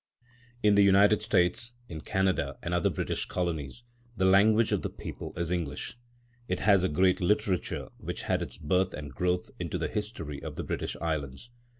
In the United States, in Canada and other British Colonies, the language of the people is English. It has a great literature which had its birth and growth in the history of the British Islands.